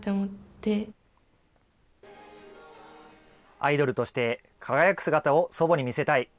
アイドルとして輝く姿を祖母に見せたい。